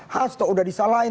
hasto udah disalahin